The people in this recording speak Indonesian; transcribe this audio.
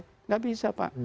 bukan bisa pak